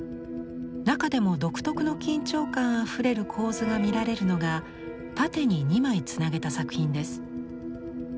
中でも独特の緊張感あふれる構図が見られるのが縦に２枚つなげた作品です。